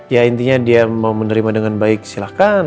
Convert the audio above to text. ya intinya dia mau menerima dengan baik silahkan